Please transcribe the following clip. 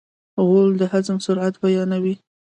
غول د هضم سرعت بیانوي.